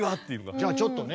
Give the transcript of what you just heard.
じゃあちょっとね